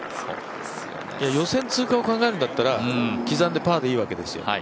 予選通過を考えるんだったら刻んでパーでいいわけですよ。